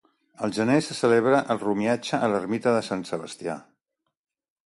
Al gener se celebra el romiatge a l'Ermita de Sant Sebastià.